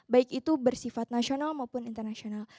baik itu bersifat nasional maupun internasional